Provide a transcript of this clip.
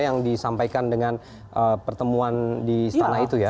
yang disampaikan dengan pertemuan di istana itu ya